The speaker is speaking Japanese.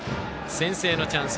先制のチャンス